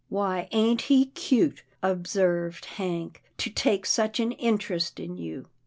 " Why, ain't he cute," observed Hank, " to take such an interest in you